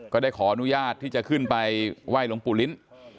ก็ได้ขออนุญาตที่จะขึ้นไปไหว้หลวงปู่ลิ้น